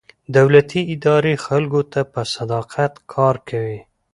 دولتي ادارې خلکو ته په صداقت کار کوي.